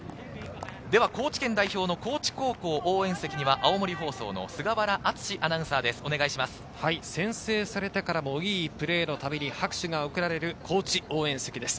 高知県代表の高知高校応援席には青森放送の菅原厚アナウンサーで先制されてからも、いいプレーのたびに拍手が送られる高知応援席です。